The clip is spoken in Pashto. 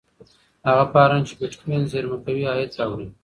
هغه فارم چې بېټکوین زېرمه کوي عاید راوړي.